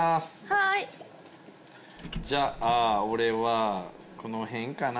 はいじゃあ俺はこの辺かな